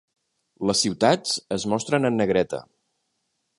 Les ciutats es mostren en negreta.